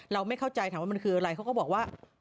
ไม่เข้าใจถามว่ามันคืออะไรเขาก็บอกว่า